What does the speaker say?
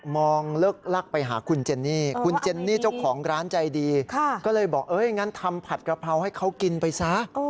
ไม่อย่างนั้นทำผัดกระเพราให้เขากินไปซะ